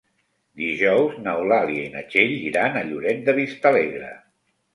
Dijous n'Eulàlia i na Txell iran a Lloret de Vistalegre.